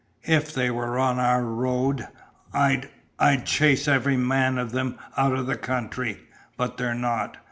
"If they were on our road I'd I'd chase every man of them out of the country. But they're not.